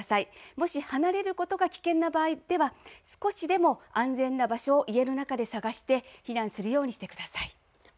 もし離れることが危険な場合では少しでも安全な場所を家の中で探して避難するようにしてください。